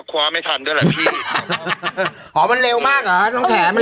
คว้าไม่ทันด้วยแหละพี่อ๋อมันเร็วมากเหรอน้องแถมัน